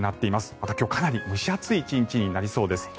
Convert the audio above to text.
また、今日はかなり蒸し暑い１日になりそうです。